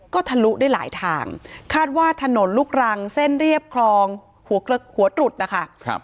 คาดว่าถนนรุกรังเส้นเรียบครองหัวตรุดนะค่ะครับ